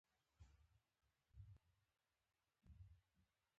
د ښو دوستانو مرسته د ستونزو حل اسانوي.